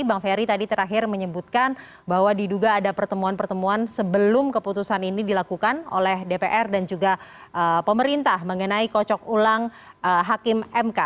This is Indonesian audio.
bang ferry tadi terakhir menyebutkan bahwa diduga ada pertemuan pertemuan sebelum keputusan ini dilakukan oleh dpr dan juga pemerintah mengenai kocok ulang hakim mk